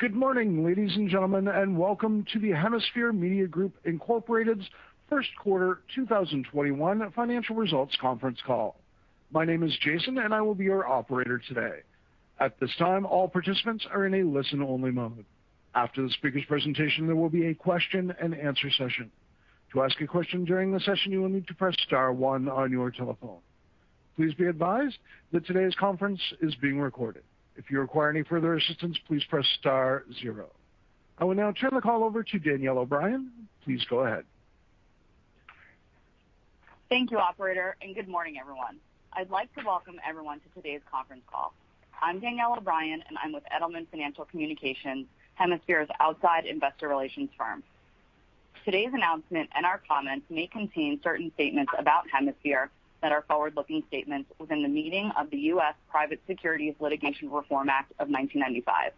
Good morning, ladies and gentlemen, and welcome to the Hemisphere Media Group Incorporated's first quarter 2021 financial results conference call. My name is Jason. I will be your operator today. At this time, all participants are in a listen-only mode. After the speaker's presentation, there will be a question and answer session. To ask a question during the session, you will need to press star one on your telephone. Please be advised that today's conference is being recorded. If you require any further assistance, please press star zero. I will now turn the call over to Danielle O'Brien. Please go ahead. Thank you, operator, and good morning, everyone. I'd like to welcome everyone to today's conference call. I'm Danielle O'Brien, and I'm with Edelman Smithfield, Hemisphere's outside investor relations firm. Today's announcement and our comments may contain certain statements about Hemisphere that are forward-looking statements within the meaning of the U.S. Private Securities Litigation Reform Act of 1995.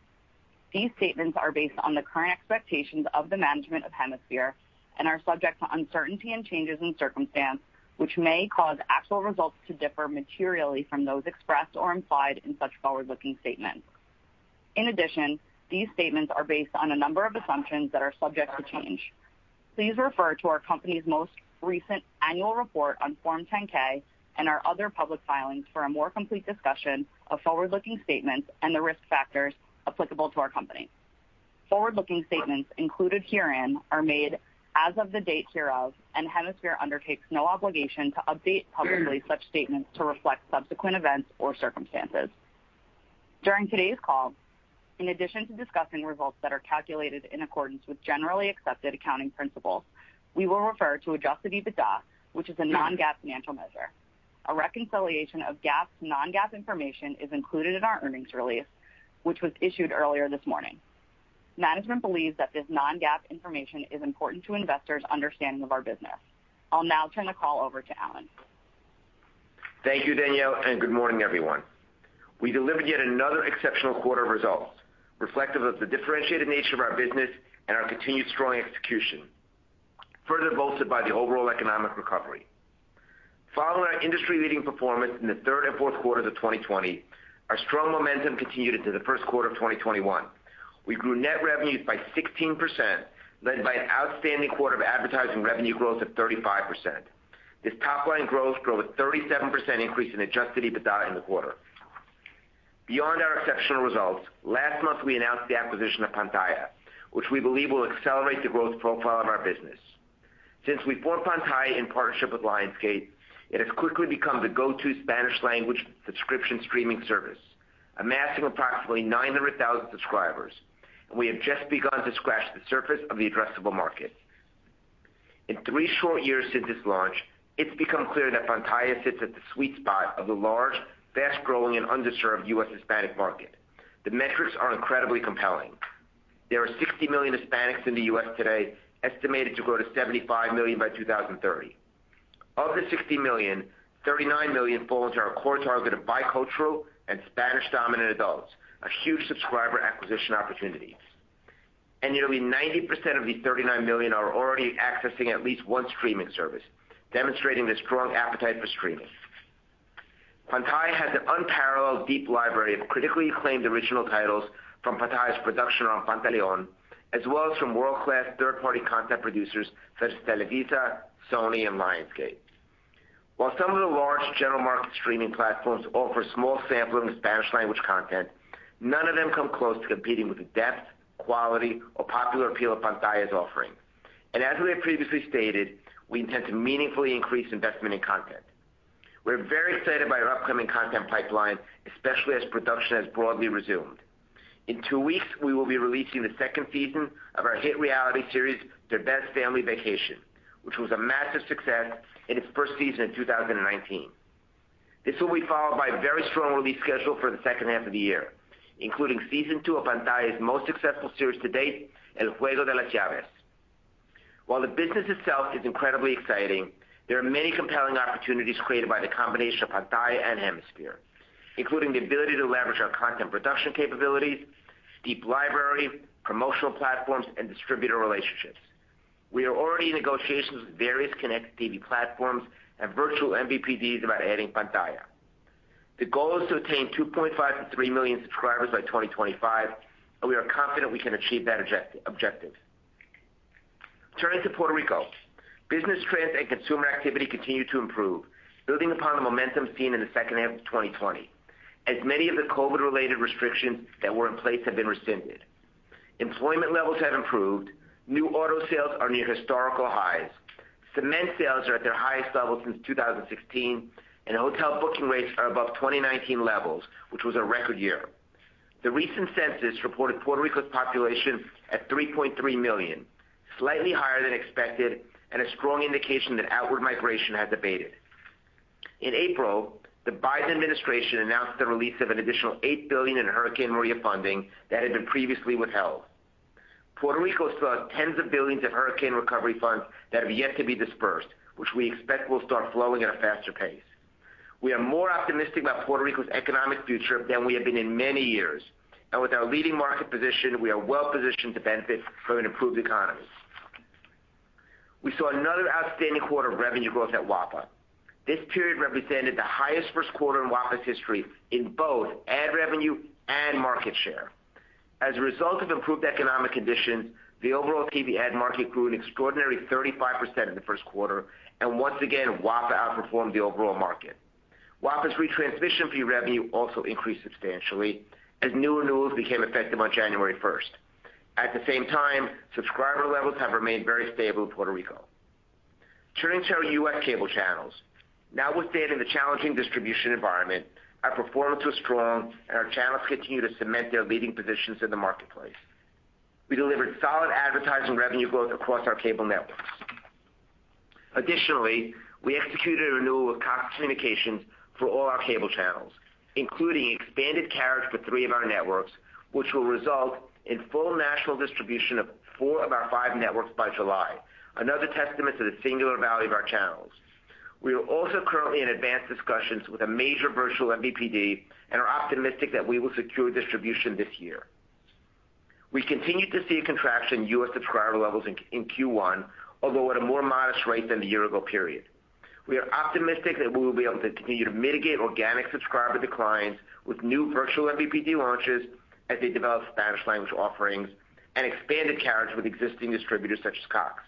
These statements are based on the current expectations of the management of Hemisphere and are subject to uncertainty and changes in circumstance, which may cause actual results to differ materially from those expressed or implied in such forward-looking statements. In addition, these statements are based on a number of assumptions that are subject to change. Please refer to our company's most recent annual report on Form 10-K and our other public filings for a more complete discussion of forward-looking statements and the risk factors applicable to our company. Forward-looking statements included herein are made as of the date hereof, and Hemisphere undertakes no obligation to update publicly such statements to reflect subsequent events or circumstances. During today's call, in addition to discussing results that are calculated in accordance with generally accepted accounting principles, we will refer to adjusted EBITDA, which is a Non-GAAP financial measure. A reconciliation of GAAP to Non-GAAP information is included in our earnings release, which was issued earlier this morning. Management believes that this Non-GAAP information is important to investors' understanding of our business. I'll now turn the call over to Alan. Thank you, Danielle. Good morning, everyone. We delivered yet another exceptional quarter of results, reflective of the differentiated nature of our business and our continued strong execution, further bolstered by the overall economic recovery. Following our industry-leading performance in the third and fourth quarters of 2020, our strong momentum continued into the first quarter of 2021. We grew net revenues by 16%, led by an outstanding quarter of advertising revenue growth of 35%. This top-line growth drove a 37% increase in adjusted EBITDA in the quarter. Beyond our exceptional results, last month, we announced the acquisition of Pantaya, which we believe will accelerate the growth profile of our business. Since we formed Pantaya in partnership with Lionsgate, it has quickly become the go-to Spanish language subscription streaming service, amassing approximately 900,000 subscribers, and we have just begun to scratch the surface of the addressable market. In three short years since its launch, it's become clear that Pantaya sits at the sweet spot of the large, fast-growing, and underserved U.S. Hispanic market. The metrics are incredibly compelling. There are 60 million Hispanics in the U.S. today, estimated to grow to 75 million by 2030. Of the 60 million, 39 million fall into our core target of bicultural and Spanish-dominant adults, a huge subscriber acquisition opportunity. Nearly 90% of these 39 million are already accessing at least one streaming service, demonstrating the strong appetite for streaming. Pantaya has an unparalleled deep library of critically acclaimed original titles from Pantaya's production arm, Pantelion, as well as from world-class third-party content producers such as Televisa, Sony, and Lionsgate. While some of the large general market streaming platforms offer a small sampling of Spanish language content, none of them come close to competing with the depth, quality, or popular appeal of Pantaya's offering. As we have previously stated, we intend to meaningfully increase investment in content. We're very excited by our upcoming content pipeline, especially as production has broadly resumed. In two weeks, we will be releasing the second season of our hit reality series, "Derbez Family Vacation," which was a massive success in its first season in 2019. This will be followed by a very strong release schedule for the second half of the year, including season two of Pantaya's most successful series to date, "El Juego de las Llaves." While the business itself is incredibly exciting, there are many compelling opportunities created by the combination of Pantaya and Hemisphere, including the ability to leverage our content production capabilities, deep library, promotional platforms, and distributor relationships. We are already in negotiations with various connected TV platforms and virtual MVPDs about adding Pantaya. The goal is to attain 2.5 million-3 million subscribers by 2025, and we are confident we can achieve that objective. Turning to Puerto Rico, business trends and consumer activity continue to improve, building upon the momentum seen in the second half of 2020, as many of the COVID-related restrictions that were in place have been rescinded. Employment levels have improved. New auto sales are near historical highs. Cement sales are at their highest level since 2016, and hotel booking rates are above 2019 levels, which was a record year. The recent census reported Puerto Rico's population at 3.3 million, slightly higher than expected and a strong indication that outward migration has abated. In April, the Biden administration announced the release of an additional $8 billion in Hurricane Maria funding that had been previously withheld. Puerto Rico still has tens of billions of hurricane recovery funds that have yet to be dispersed, which we expect will start flowing at a faster pace. We are more optimistic about Puerto Rico's economic future than we have been in many years. With our leading market position, we are well positioned to benefit from an improved economy. We saw another outstanding quarter of revenue growth at WAPA. This period represented the highest first quarter in WAPA's history in both ad revenue and market share. As a result of improved economic conditions, the overall TV ad market grew an extraordinary 35% in the first quarter. Once again, WAPA outperformed the overall market. WAPA's retransmission fee revenue also increased substantially as new renewals became effective on January 1st. At the same time, subscriber levels have remained very stable in Puerto Rico. Turning to our U.S. cable channels. Notwithstanding the challenging distribution environment, our performance was strong and our channels continue to cement their leading positions in the marketplace. We delivered solid advertising revenue growth across our cable networks. Additionally, we executed a renewal with Cox Communications for all our cable channels, including expanded carriage for three of our networks, which will result in full national distribution of four of our five networks by July, another testament to the singular value of our channels. We are also currently in advanced discussions with a major virtual MVPD and are optimistic that we will secure distribution this year. We continue to see a contraction in U.S. subscriber levels in Q1, although at a more modest rate than the year ago period. We are optimistic that we will be able to continue to mitigate organic subscriber declines with new virtual MVPD launches as they develop Spanish language offerings and expanded carriage with existing distributors such as Cox.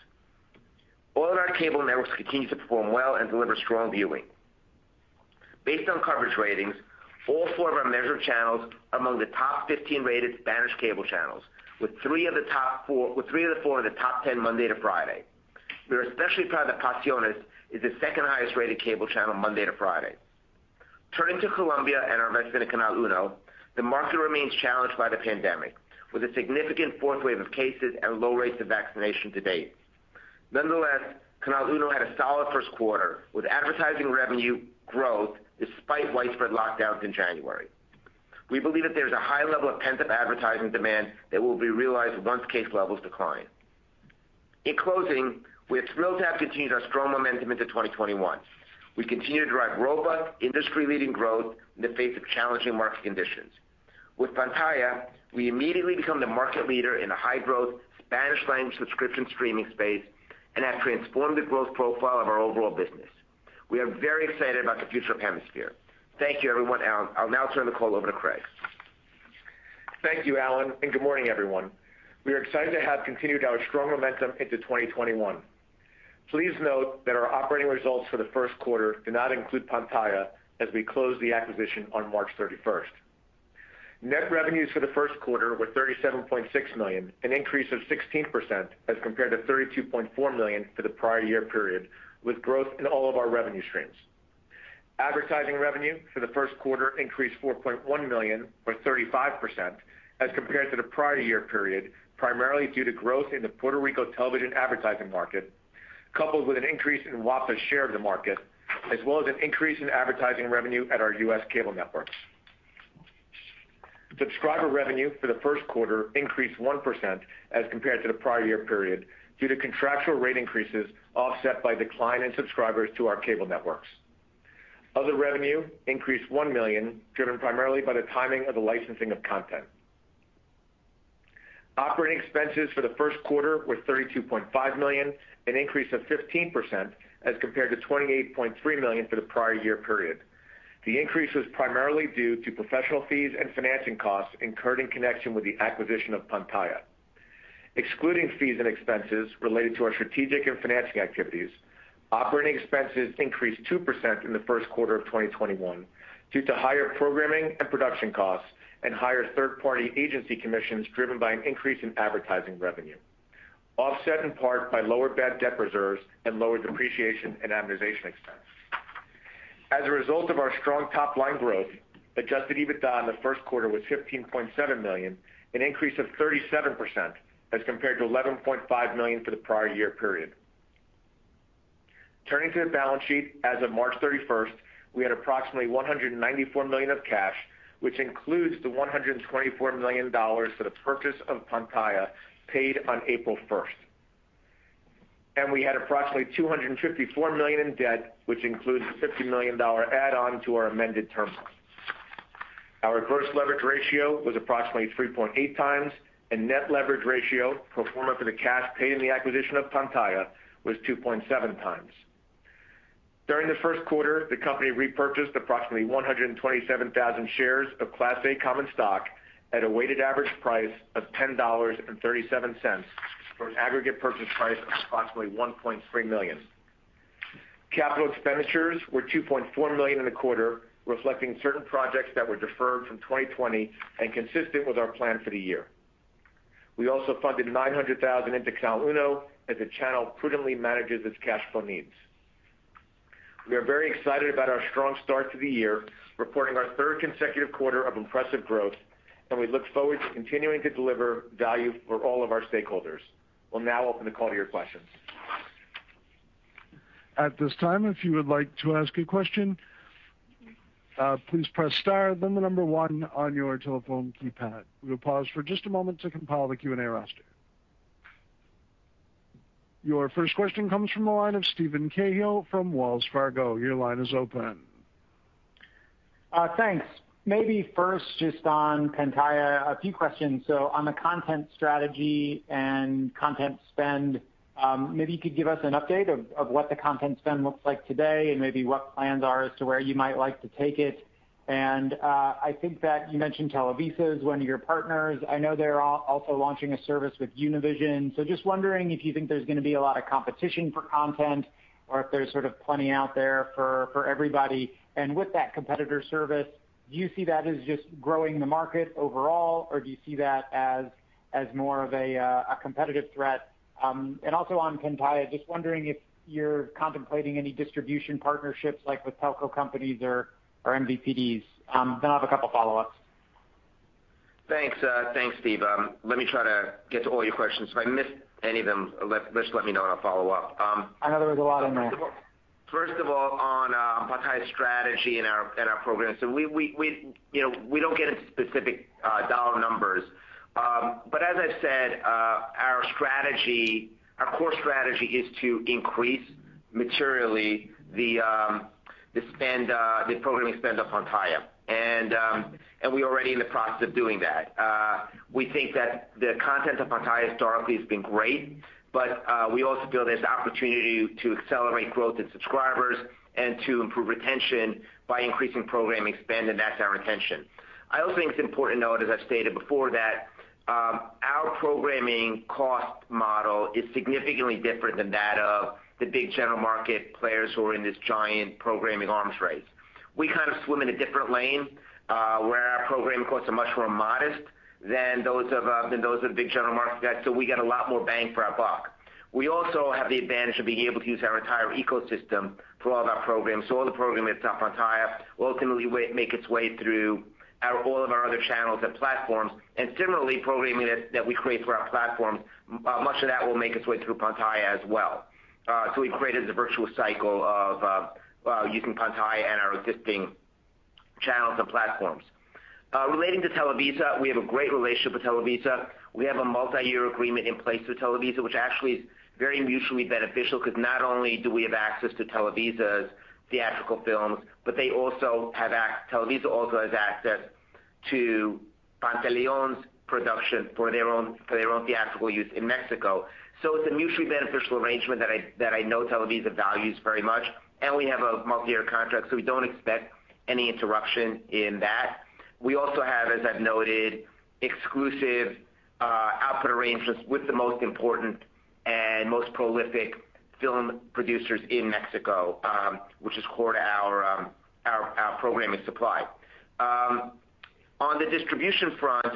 All of our cable networks continue to perform well and deliver strong viewing. Based on coverage ratings, all four of our measured channels are among the top 15 rated Spanish cable channels, with three of the four in the top 10 Monday to Friday. We are especially proud that Pasiones is the second highest rated cable channel Monday to Friday. Turning to Colombia and our investment in Canal Uno, the market remains challenged by the pandemic, with a significant fourth wave of cases and low rates of vaccination to date. Nonetheless, Canal Uno had a solid first quarter with advertising revenue growth despite widespread lockdowns in January. We believe that there's a high level of pent-up advertising demand that will be realized once case levels decline. In closing, we are thrilled to have continued our strong momentum into 2021. We continue to drive robust, industry-leading growth in the face of challenging market conditions. With Pantaya, we immediately become the market leader in the high growth, Spanish language subscription streaming space and have transformed the growth profile of our overall business. We are very excited about the future of Hemisphere. Thank you everyone. I'll now turn the call over to Craig. Thank you, Alan, and good morning everyone. We are excited to have continued our strong momentum into 2021. Please note that our operating results for the first quarter do not include Pantaya, as we closed the acquisition on March 31st. Net revenues for the first quarter were $37.6 million, an increase of 16% as compared to $32.4 million for the prior year period, with growth in all of our revenue streams. Advertising revenue for the first quarter increased $4.1 million or 35% as compared to the prior year period, primarily due to growth in the Puerto Rico television advertising market, coupled with an increase in WAPA's share of the market, as well as an increase in advertising revenue at our U.S. cable networks. Subscriber revenue for the first quarter increased 1% as compared to the prior year period due to contractual rate increases offset by decline in subscribers to our cable networks. Other revenue increased $1 million, driven primarily by the timing of the licensing of content. Operating expenses for the first quarter were $32.5 million, an increase of 15% as compared to $28.3 million for the prior year period. The increase was primarily due to professional fees and financing costs incurred in connection with the acquisition of Pantaya. Excluding fees and expenses related to our strategic and financing activities, operating expenses increased 2% in the first quarter of 2021 due to higher programming and production costs and higher third-party agency commissions driven by an increase in advertising revenue, offset in part by lower bad debt reserves and lower depreciation and amortization expense. As a result of our strong top-line growth, adjusted EBITDA in the first quarter was $15.7 million, an increase of 37% as compared to $11.5 million for the prior year period. Turning to the balance sheet, as of March 31st, we had approximately $194 million of cash, which includes the $124 million for the purchase of Pantaya paid on April 1st. We had approximately $254 million in debt, which includes a $50 million add-on to our amended term loan. Our gross leverage ratio was approximately 3.8x, and net leverage ratio, pro forma for the cash paid in the acquisition of Pantaya, was 2.7x. During the first quarter, the company repurchased approximately 127,000 shares of Class A common stock at a weighted average price of $10.37 for an aggregate purchase price of approximately $1.3 million. Capital expenditures were $2.4 million in the quarter, reflecting certain projects that were deferred from 2020 and consistent with our plan for the year. We also funded $900,000 into Canal Uno as the channel prudently manages its cash flow needs. We are very excited about our strong start to the year, reporting our third consecutive quarter of impressive growth, and we look forward to continuing to deliver value for all of our stakeholders. We'll now open the call to your questions. Your first question comes from the line of Steven Cahall from Wells Fargo. Your line is open. Thanks. On the content strategy and content spend, maybe you could give us an update of what the content spend looks like today, and maybe what plans are as to where you might like to take it. I think that you mentioned Televisa is one of your partners. I know they're also launching a service with Univision. Just wondering if you think there's going to be a lot of competition for content or if there's plenty out there for everybody. With that competitor service, do you see that as just growing the market overall, or do you see that as more of a competitive threat? Also on Pantaya, just wondering if you're contemplating any distribution partnerships like with telco companies or MVPDs. I'll have a couple of follow-ups. Thanks, Steven. Let me try to get to all your questions. If I miss any of them, just let me know and I'll follow up. I know there was a lot in there. First of all, on Pantaya's strategy and our programs. We don't get into specific dollar numbers. As I've said, our core strategy is to increase materially the programming spend on Pantaya. We're already in the process of doing that. We think that the content of Pantaya historically has been great, but we also feel there's opportunity to accelerate growth in subscribers and to improve retention by increasing programming spend, and that's our intention. I also think it's important to note, as I've stated before, that our programming cost model is significantly different than that of the big general market players who are in this giant programming arms race. We kind of swim in a different lane where our programming costs are much more modest than those of the big general market guys, so we get a lot more bang for our buck. We also have the advantage of being able to use our entire ecosystem for all of our programs. All the programming that's on Pantaya ultimately make its way through all of our other channels and platforms. Similarly, programming that we create for our platforms, much of that will make its way through Pantaya as well. We've created this virtual cycle of using Pantaya and our existing channels and platforms. Relating to Televisa, we have a great relationship with Televisa. We have a multi-year agreement in place with Televisa, which actually is very mutually beneficial because not only do we have access to Televisa's theatrical films, but Televisa also has access to Pantelion's production for their own theatrical use in Mexico. It's a mutually beneficial arrangement that I know Televisa values very much, and we have a multi-year contract, so we don't expect any interruption in that. We also have, as I've noted, exclusive output arrangements with the most important and most prolific film producers in Mexico, which is core to our programming supply. On the distribution front,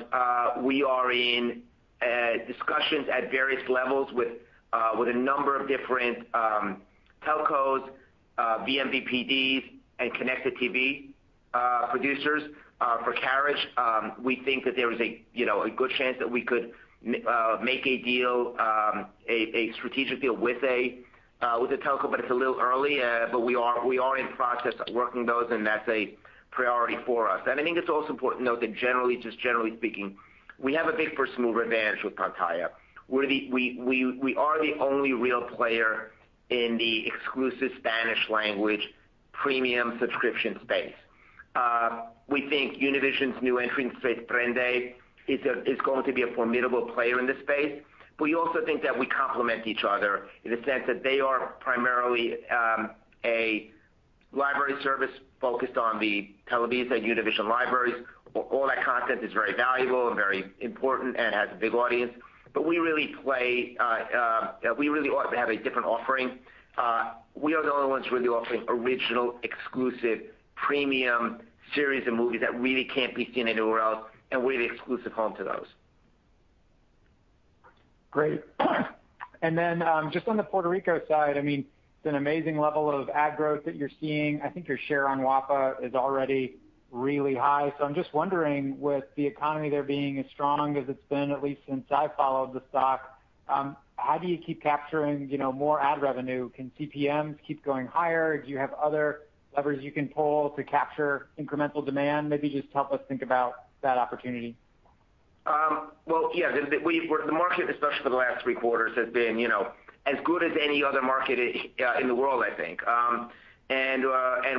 we are in discussions at various levels with a number of different telcos, vMVPDs, and connected TV producers for carriage. We think that there is a good chance that we could make a strategic deal with a telco, it's a little early. We are in the process of working those, and that's a priority for us. I think it's also important to note that just generally speaking, we have a big first-mover advantage with Pantaya. We are the only real player in the exclusive Spanish language premium subscription space. We think Univision's new entry in PrendeTV is going to be a formidable player in this space. We also think that we complement each other in the sense that they are primarily a library service focused on the Televisa and Univision libraries. All that content is very valuable and very important and has a big audience. We really ought to have a different offering. We are the only ones really offering original, exclusive, premium series and movies that really can't be seen anywhere else, and we're the exclusive home to those. Great. On the Puerto Rico side, it's an amazing level of ad growth that you're seeing. I think your share on WAPA-TV is already really high. I'm just wondering, with the economy there being as strong as it's been, at least since I followed the stock, how do you keep capturing more ad revenue? Can CPMs keep going higher? Do you have other levers you can pull to capture incremental demand? Help us think about that opportunity. Well, yeah. The market, especially for the last three quarters, has been as good as any other market in the world, I think.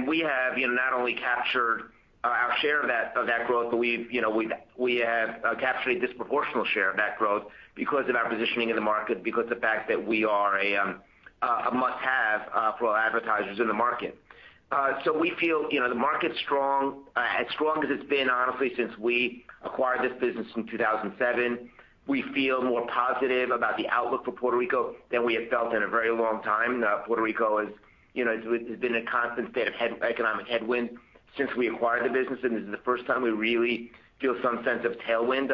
We have not only captured our share of that growth, but we have captured a disproportional share of that growth because of our positioning in the market, because of the fact that we are a must-have for advertisers in the market. We feel the market's strong, as strong as it's been, honestly, since we acquired this business in 2007. We feel more positive about the outlook for Puerto Rico than we have felt in a very long time. Puerto Rico has been in a constant state of economic headwind since we acquired the business, and this is the first time we really feel some sense of tailwind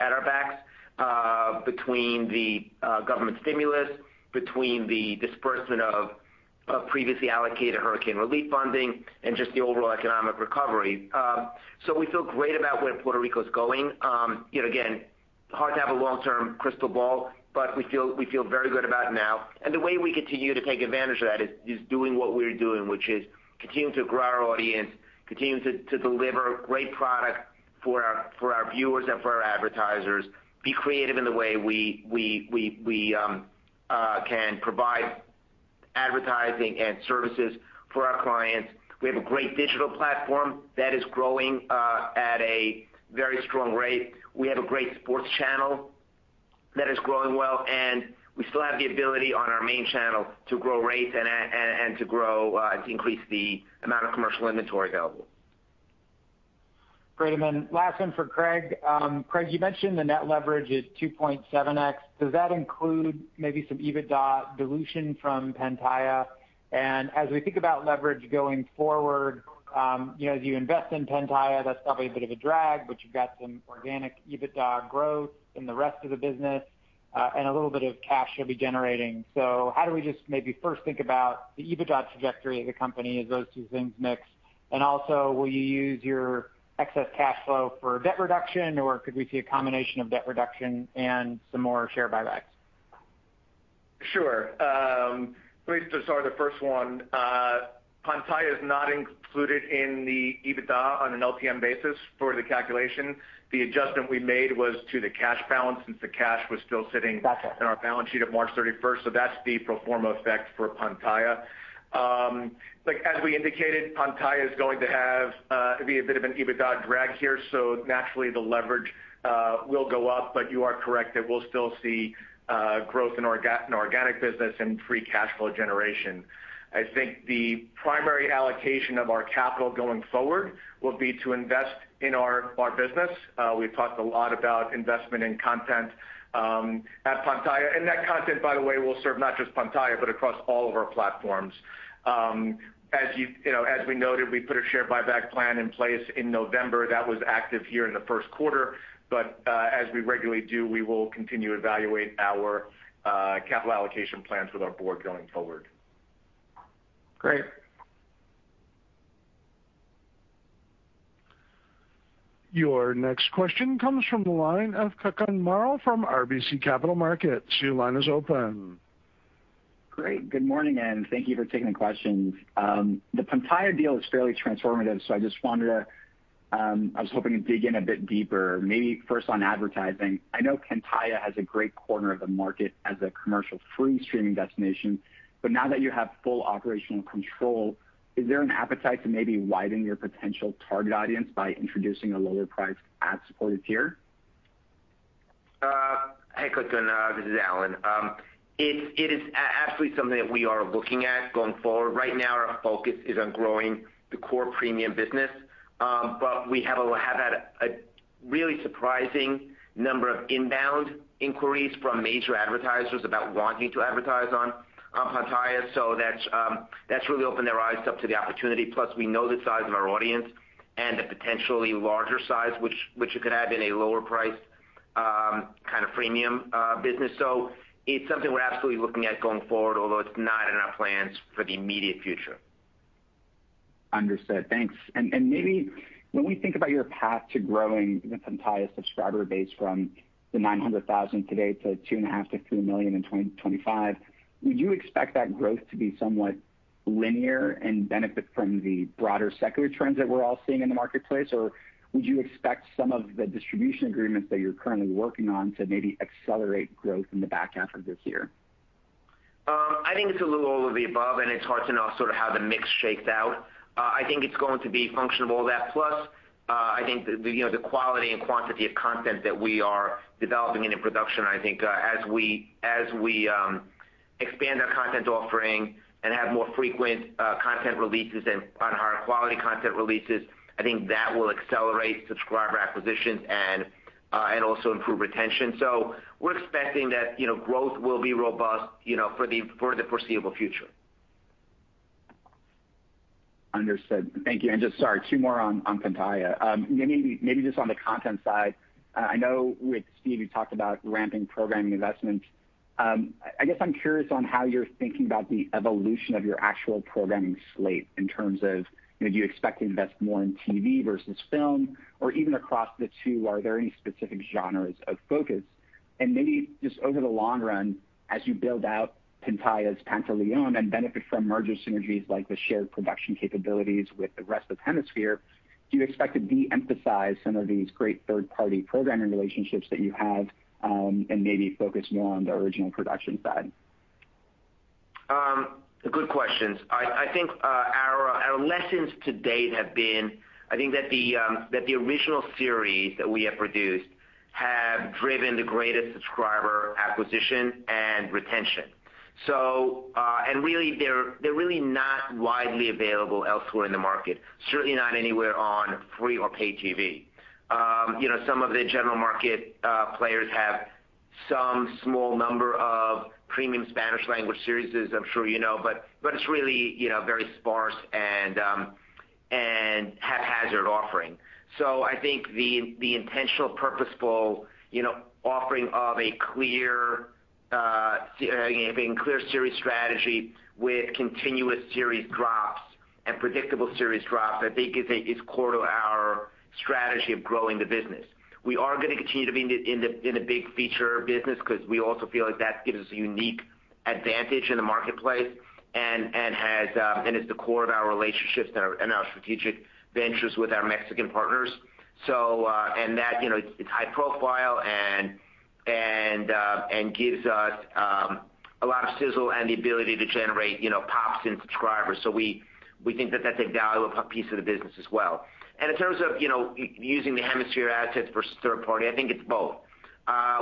at our backs between the government stimulus, between the disbursement of previously allocated hurricane relief funding, and just the overall economic recovery. We feel great about where Puerto Rico is going. Again, hard to have a long-term crystal ball, but we feel very good about it now. The way we continue to take advantage of that is doing what we're doing, which is continuing to grow our audience, continuing to deliver great product for our viewers and for our advertisers, be creative in the way we can provide advertising and services for our clients. We have a great digital platform that is growing at a very strong rate. We have a great sports channel that is growing well, and we still have the ability on our main channel to grow rates and to increase the amount of commercial inventory available. Great. Last one for Craig. Craig, you mentioned the net leverage is 2.7x. Does that include maybe some EBITDA dilution from Pantaya? As we think about leverage going forward, as you invest in Pantaya, that's probably a bit of a drag, but you've got some organic EBITDA growth in the rest of the business, and a little bit of cash you'll be generating. How do we just maybe first think about the EBITDA trajectory of the company as those two things mix? Also, will you use your excess cash flow for debt reduction, or could we see a combination of debt reduction and some more share buybacks? Sure. At least to start the first one, Pantaya is not included in the EBITDA on an LTM basis for the calculation. The adjustment we made was to the cash balance. Got you. in our balance sheet of March 31st. That's the pro forma effect for Pantaya. As we indicated, Pantaya is going to be a bit of an EBITDA drag here. Naturally, the leverage will go up. You are correct that we'll still see growth in organic business and free cash flow generation. I think the primary allocation of our capital going forward will be to invest in our business. We've talked a lot about investment in content at Pantaya. That content, by the way, will serve not just Pantaya, but across all of our platforms. As we noted, we put a share buyback plan in place in November. That was active here in the first quarter. As we regularly do, we will continue to evaluate our capital allocation plans with our board going forward. Great. Your next question comes from the line of Kutgun Maral from RBC Capital Markets. Your line is open. Great. Good morning, and thank you for taking the questions. The Pantaya deal is fairly transformative. I was hoping to dig in a bit deeper. Maybe first on advertising. I know Pantaya has a great corner of the market as a commercial-free streaming destination. Now that you have full operational control, is there an appetite to maybe widen your potential target audience by introducing a lower priced ad-supported tier? Hey, Kutgun. This is Alan. It is absolutely something that we are looking at going forward. Right now our focus is on growing the core premium business. We have had a really surprising number of inbound inquiries from major advertisers about wanting to advertise on Pantaya. That's really opened their eyes up to the opportunity. Plus, we know the size of our audience and the potentially larger size, which you could have in a lower price kind of freemium business. It's something we're absolutely looking at going forward, although it's not in our plans for the immediate future. Understood. Thanks. Maybe when we think about your path to growing the Pantaya subscriber base from the 900,000 subscribers today to 2.5 million subscribers-3 million subscribers in 2025, would you expect that growth to be somewhat linear and benefit from the broader secular trends that we're all seeing in the marketplace? Would you expect some of the distribution agreements that you're currently working on to maybe accelerate growth in the back half of this year? I think it's a little all of the above, and it's hard to know sort of how the mix shakes out. I think it's going to be functional of all that. I think the quality and quantity of content that we are developing and in production. I think as we expand our content offering and have more frequent content releases and higher quality content releases, I think that will accelerate subscriber acquisitions and also improve retention. We're expecting that growth will be robust for the foreseeable future. Understood. Thank you. Just, sorry, two more on Pantaya. Maybe just on the content side. I know with Steve, you talked about ramping programming investments. I guess I'm curious on how you're thinking about the evolution of your actual programming slate in terms of do you expect to invest more in TV versus film? Even across the two, are there any specific genres of focus? Maybe just over the long run, as you build out Pantaya's Pantelion and benefit from merger synergies like the shared production capabilities with the rest of Hemisphere, do you expect to de-emphasize some of these great third-party programming relationships that you have and maybe focus more on the original production side? Good questions. I think our lessons to date have been, I think that the original series that we have produced have driven the greatest subscriber acquisition and retention. They're really not widely available elsewhere in the market, certainly not anywhere on free or paid TV. Some of the general market players have some small number of premium Spanish language series, as I'm sure you know. It's really very sparse and haphazard offering. I think the intentional, purposeful offering of a clear series strategy with continuous series drops and predictable series drops, I think is core to our strategy of growing the business. We are going to continue to be in the big feature business because we also feel like that gives us a unique advantage in the marketplace and is the core of our relationships and our strategic ventures with our Mexican partners. It's high profile and gives us a lot of sizzle and the ability to generate pops in subscribers. We think that that's a valuable piece of the business as well. In terms of using the Hemisphere assets for third party, I think it's both.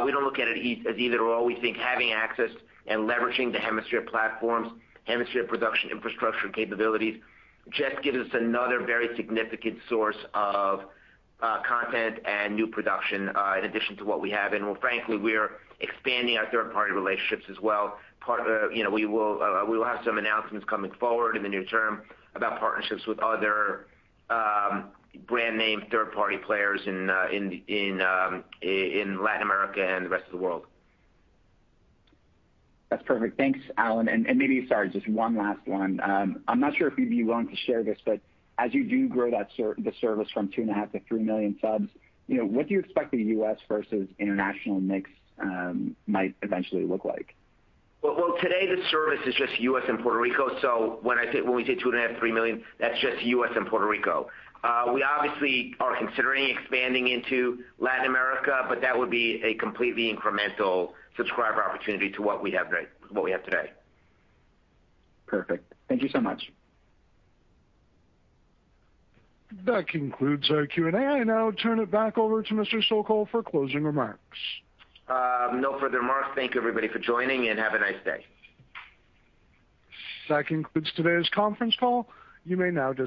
We don't look at it as either/or. We think having access and leveraging the Hemisphere platforms, Hemisphere production infrastructure capabilities, just gives us another very significant source of content and new production in addition to what we have. Frankly, we're expanding our third-party relationships as well. We will have some announcements coming forward in the near term about partnerships with other brand name third party players in Latin America and the rest of the world. That's perfect. Thanks, Alan. Maybe, sorry, just one last one. I'm not sure if you'd be willing to share this, but as you do grow the service from two and a half to 3 million subs, what do you expect the U.S. versus international mix might eventually look like? Well, today the service is just U.S. and Puerto Rico. When we say two and a half, three million, that's just U.S. and Puerto Rico. We obviously are considering expanding into Latin America, that would be a completely incremental subscriber opportunity to what we have today. Perfect. Thank you so much. That concludes our Q&A. I now turn it back over to Mr. Sokol for closing remarks. No further remarks. Thank you everybody for joining, and have a nice day. That concludes today's conference call. You may now disconnect.